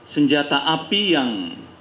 senjata api yang